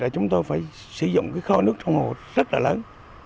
chúng tôi phải sử dụng kho nước trong hồ rất là lớn